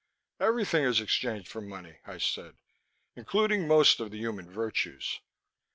"Everything is exchanged for money," I said. "Including most of the human virtues."